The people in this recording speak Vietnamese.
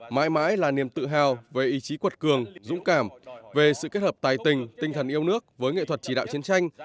mãi mãi là niềm tự hào về ý chí quật cường dũng cảm về sự kết hợp tài tình tinh thần yêu nước với nghệ thuật chỉ đạo chiến tranh